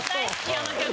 あの曲。